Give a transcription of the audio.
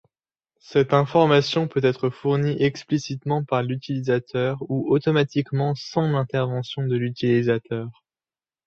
Cette information peut être fournie explicitement par l’utilisateur ou automatiquement sans l'intervention de l'utilisateur.